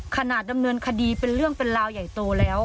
ดำเนินคดีเป็นเรื่องเป็นราวใหญ่โตแล้ว